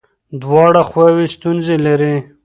دواړه خواوې ستونزې لري.